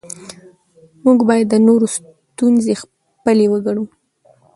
موږ باید د نورو ستونزې خپلې وګڼو